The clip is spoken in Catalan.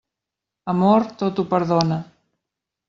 Amor, tot ho perdona.